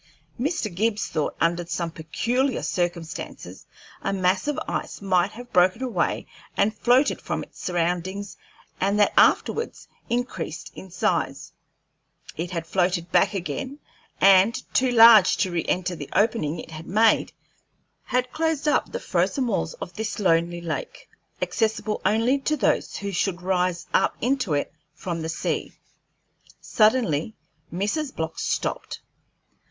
Mr. Gibbs thought, under some peculiar circumstances, a mass of ice might have broken away and floated from its surroundings, and that afterwards, increased in size, it had floated back again, and, too large to re enter the opening it had made, had closed up the frozen walls of this lonely lake, accessible only to those who should rise up into it from the sea. Suddenly Mrs. Block stopped.